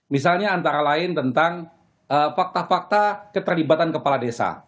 misalnya antara lain tentang fakta fakta keterlibatan kepala desa